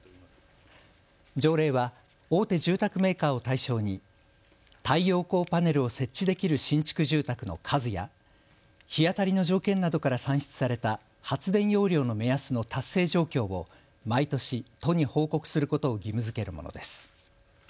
条例は大手住宅メーカーを対象に太陽光パネルを設置できる新築住宅の数や日当たりの条件などから算出された発電容量の目安の達成状況を毎年、都に報告することを義務づけるものです。